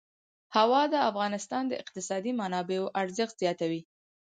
هوا د افغانستان د اقتصادي منابعو ارزښت زیاتوي.